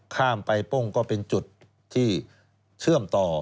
ข้ามไปป้งก็เป็นจุดที่เชื่อมต่อ